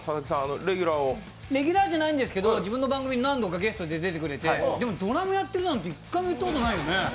レギュラーじゃないんですけど、自分の番組に何度か出てくれて、でもドラムやっているなんて一回も言ったことないよね。